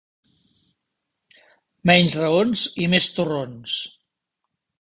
Menys raons i més torrons.